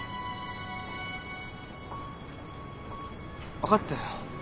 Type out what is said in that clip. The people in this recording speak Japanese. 分かったよ。